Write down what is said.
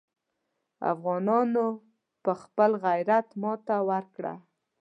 افغانانو په خپل غیرت ماته ورکړه.